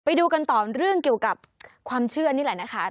ไปดูกันต่อเรื่องเกี่ยวกับความเชื่อนี่แหละนะคะ